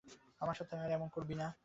আমার সাথে আর এমন করো না।